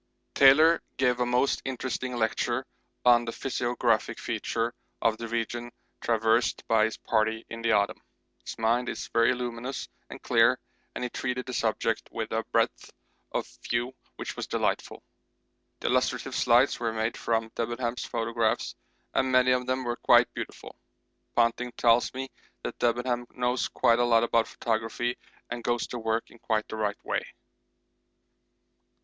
Taylor gave a most interesting lecture on the physiographic features of the region traversed by his party in the autumn. His mind is very luminous and clear and he treated the subject with a breadth of view which was delightful. The illustrative slides were made from Debenham's photographs, and many of them were quite beautiful. Ponting tells me that Debenham knows quite a lot about photography and goes to work in quite the right way.